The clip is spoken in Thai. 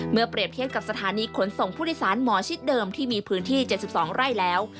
เปรียบเทียบกับสถานีขนส่งผู้โดยสารหมอชิดเดิมที่มีพื้นที่๗๒ไร่แล้ว